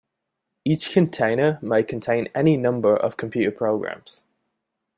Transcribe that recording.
Each container may contain any number of computer programs.